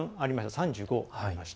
３５あります。